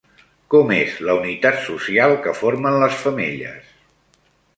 Com és la unitat social que formen les femelles?